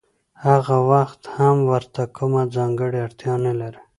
هغه وخت هم ورته کومه ځانګړې اړتیا نلري